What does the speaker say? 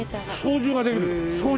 操縦できる？